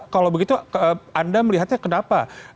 kalau begitu anda melihatnya kenapa